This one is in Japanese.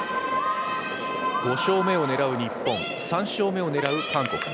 ５勝目を狙う日本と３勝目を狙う韓国。